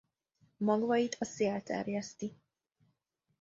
Magvait a szél terjeszti.